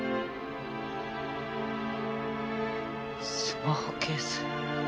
スマホケース？